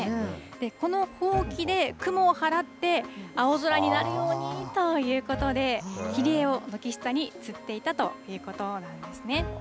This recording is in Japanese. このほうきで雲を払って、青空になるようにということで、切り絵を軒下につっていたということなんですね。